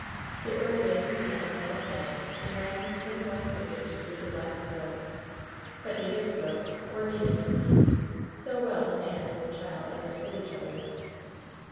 The earl laid his hand on the little head and ran his thin, white fingers through the black curls. But neither spoke, or needed to speak — so well the man and the child imderstood each other.